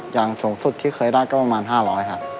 อย่างสูงสุดที่เคยได้ก็ประมาณ๕๐๐ครับ